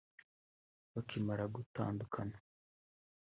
Bakimara gutandukana